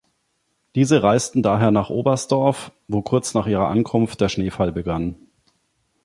Diese reisten daher nach Oberstdorf, wo kurz nach ihrer Ankunft der Schneefall begann.